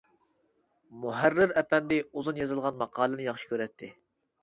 مۇھەررىر ئەپەندى ئۇزۇن يېزىلغان ماقالىنى ياخشى كۆرەتتى.